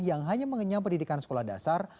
yang hanya mengenyam pendidikan sekolah dasar